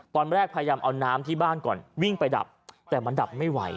พยายามเอาน้ำที่บ้านก่อนวิ่งไปดับแต่มันดับไม่ไหว